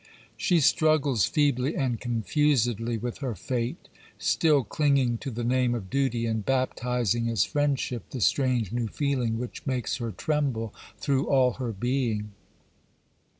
She struggles feebly and confusedly with her fate, still clinging to the name of duty, and baptizing as friendship the strange new feeling which makes her tremble through all her being.